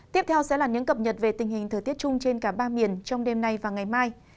tiếp theo sẽ là những cập nhật về tình hình thời tiết chung trên cả ba miền trong đêm nay và ngày mai